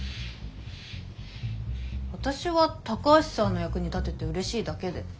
私は高橋さんの役に立てて嬉しいだけで。